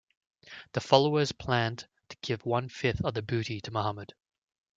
The followers planned to give one-fifth of the booty to Muhammad.